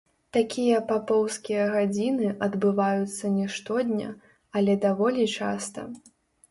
Такія папоўскія гадзіны адбываюцца не штодня, але даволі часта.